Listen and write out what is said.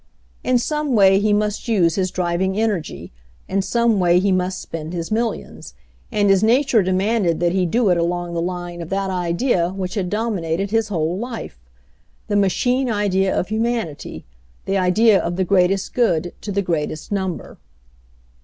In some way he must use his driving energy, in some way he must spend his millions, and his nature demanded that he do it along the line of that idea which had dominated his whole life — the machine idea of humanity, the idea of the greatest good to the greatest number.